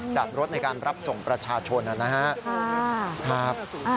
จัดรถในการรับส่งประชาชนนะครับ